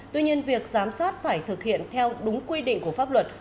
tuy nhiên việc giám sát phải thực hiện theo đúng quy định của pháp luật